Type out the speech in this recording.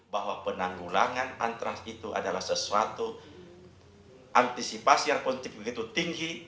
bahwa penanggulangan antras itu adalah sesuatu antisipasi yang konflik begitu tinggi